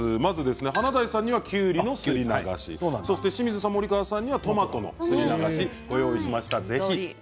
華大さんにはきゅうりのすり流し清水さんと森川さんにはトマトのすり流しを用意しました。